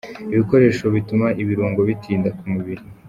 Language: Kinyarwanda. Ibikoresho bituma ibirungo bitinda ku mubiri.